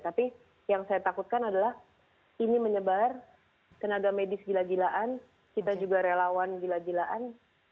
tapi yang saya takutkan adalah ini menyebar tenaga medis gila gilaan kita juga relawan gila gilaan